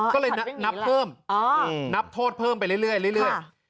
ก็เลยนับเพิ่มนับโทษเพิ่มไปเรื่อย